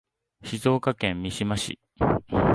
静岡県三島市